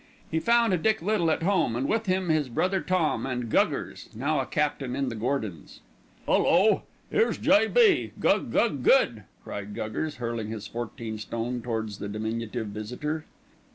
He found Dick Little at home and with him his brother Tom, and "Guggers," now a captain in the Gordons. "Hullo! Here's J.B., gug gug good," cried Guggers, hurling his fourteen stone towards the diminutive visitor.